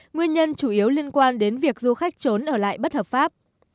nguyên nhân chủ yếu liên quan đến việc du khách trốn ở lại bất hợp pháp